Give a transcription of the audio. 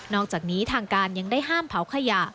อกจากนี้ทางการยังได้ห้ามเผาขยะ